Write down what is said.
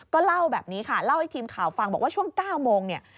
ก็เล่าแบบนี้ค่ะเล่าให้ทีมข่าวฟังบอกว่าช่วง๙โมงเนี่ย